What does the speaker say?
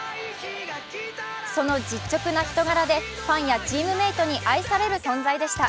その実直な人柄でファンやチームメイトに愛される存在でした。